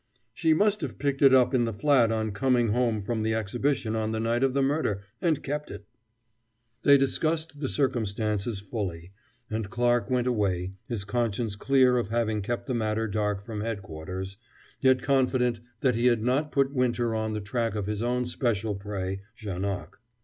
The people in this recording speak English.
"She must have picked it up in the flat on coming home from the Exhibition on the night of the murder, and kept it." They discussed the circumstances fully, and Clarke went away, his conscience clear of having kept the matter dark from headquarters, yet confident that he had not put Winter on the track of his own special prey, Janoc.